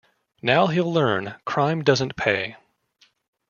Now he'll learn "crime doesn't pay".